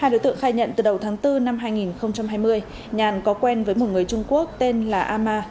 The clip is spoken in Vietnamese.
hai đối tượng khai nhận từ đầu tháng bốn năm hai nghìn hai mươi nhàn có quen với một người trung quốc tên là ama